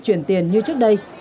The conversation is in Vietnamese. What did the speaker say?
chuyển tiền như trước đây